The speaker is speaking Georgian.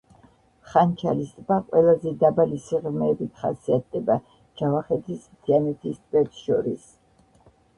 ხანჩალის ტბა ყველაზე დაბალი სიღრმეებით ხასიათდება ჯავახეთის მთიანეთის ტბებს შორის.